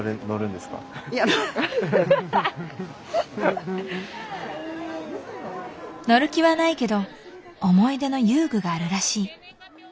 乗る気はないけど思い出の遊具があるらしい。